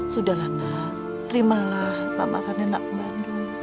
sudahlah nak terimalah mama kan enak bandung